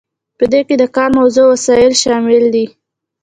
په دې کې د کار موضوع او وسایل شامل دي.